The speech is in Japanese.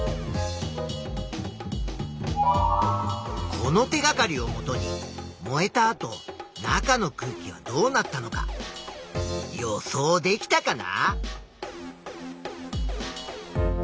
この手がかりをもとに燃えた後中の空気はどうなったのか予想できたかな？